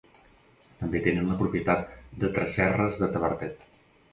Tenen també la propietat de Tresserres de Tavertet.